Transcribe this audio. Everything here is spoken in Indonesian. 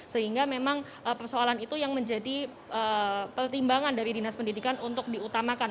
sehingga memang persoalan itu yang menjadi pertimbangan dari dinas pendidikan untuk diutamakan